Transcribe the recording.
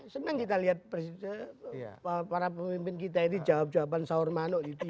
senang kita lihat para pemimpin kita ini jawab jawaban saurmano gitu